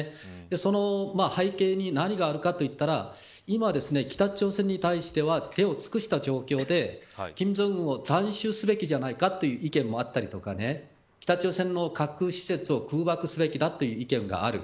その背景に何があるかといったら今、北朝鮮に対しては手を尽くした状況で金正恩を斬首するんじゃないかという意見もあったりとか北朝鮮の核施設を空爆すべきだという意見がある。